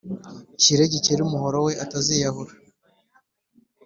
nshyire Gikeli umuhorowe ataziyahura.